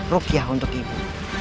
ruqyah untuk ibu